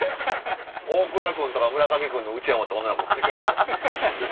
大倉君とか村上君のうちわ持った女の子振り返るよ。